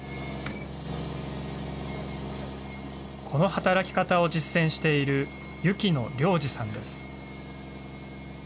この働き方を実践している雪野瞭治さんです。